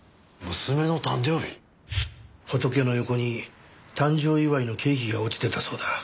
ホトケの横に誕生祝いのケーキが落ちてたそうだ。